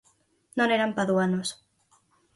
Non eran paduanos.